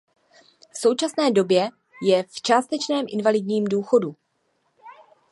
V současné době je v částečném invalidním důchodu.